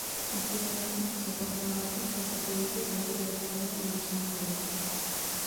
Ostiralean, zaparrada batzuk botako ditu eta giro hotzagoa izango dugu.